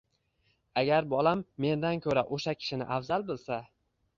Agar bolam mendan ko‘ra o‘sha kishini afzal bilsa